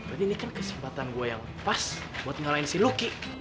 berarti ini kan kesempatan gue yang pas buat ngalahin si luki